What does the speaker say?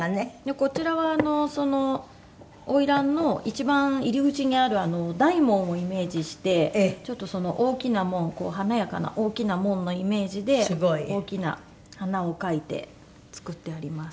こちらはあの花魁の一番入り口にある大門をイメージしてちょっとその大きな門華やかな大きな門のイメージで大きな花を描いて作ってあります。